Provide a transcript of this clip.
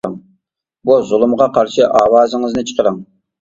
بۇ زۇلۇمغا قارشى ئاۋازىڭىزنى چىقىرىڭ!